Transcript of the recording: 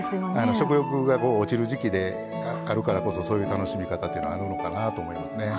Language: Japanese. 食欲が落ちる時季であるからこそそういう楽しみ方というのはあるのかなと思いますね。